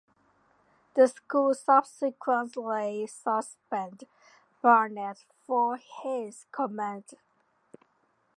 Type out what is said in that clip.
The school subsequently suspended Barnett for his comments.